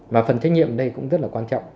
và phần trách nhiệm ở đây cũng rất là quan trọng